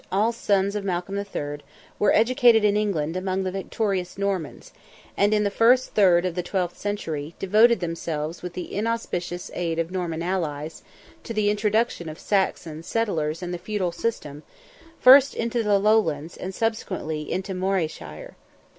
all sons of Malcolm III., were educated in England among the victorious Normans, and in the first third of the twelfth century, devoted themselves with the inauspicious aid of Norman allies, to the introduction of Saxon settlers and the feudal system, first into the lowlands, and subsequently into Moray shire.